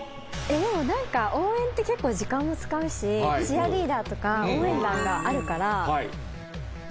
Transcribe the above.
でも何か応援って結構時間使うしチアリーダーとか応援団があるから。